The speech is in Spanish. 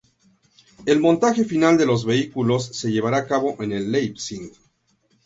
El montaje final de los vehículos se llevará a cabo en Leipzig.